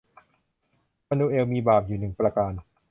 มานูเอลมีบาปอยู่หนึ่งประการ